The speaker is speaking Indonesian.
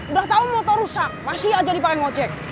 udah tahu motor rusak masih aja dipakai ngocek